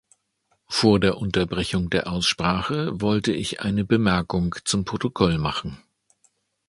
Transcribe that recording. Vor der Unterbrechung der Aussprache wollte ich eine Bemerkung zum Protokoll machen.